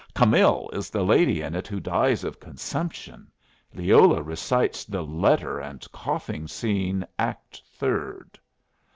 "Camill is the lady in it who dies of consumption. Leola recites the letter and coughing scene, Act Third.